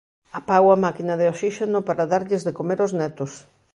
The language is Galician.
Apago a máquina de oxíxeno para darlles de comer aos netos.